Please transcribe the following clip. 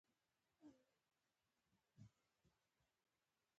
کبان دومره مزدار ووـ.